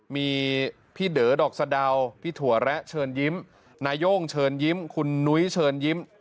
มีพี่เด๋อดอกสะดาวพี่ถั่วแระเชิญยิ้มนาย่งเชิญยิ้มคุณนุ้ยเชิญยิ้ม